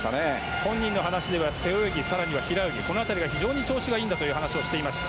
本人の話では背泳ぎ平泳ぎこの辺りが非常に調子がいいんだという話をしていました。